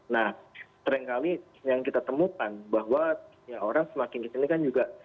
nah tering kali yang kita temukan bahwa ya orang semakin ke sini kan juga